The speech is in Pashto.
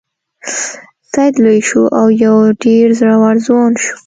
سید لوی شو او یو ډیر زړور ځوان شو.